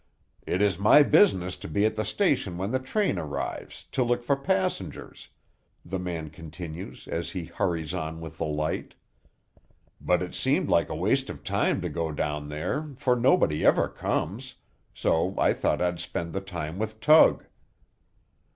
"It is my business to be at the station when the train arrives, to look for passengers," the man continues as he hurries on with the light; "but it seemed like a waste of time to go down there, for nobody ever comes; so I thought I'd spend the time with Tug."